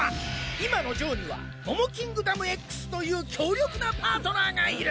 今のジョーにはモモキングダムＸという強力なパートナーがいる。